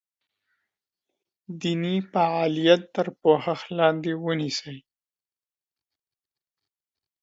دیني فعالیت تر پوښښ لاندې ونیسي.